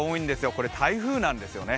これは台風なんですよね。